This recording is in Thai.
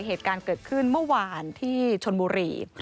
เหตุการณ์เกิดขึ้นเมื่อวานที่ชนบุรี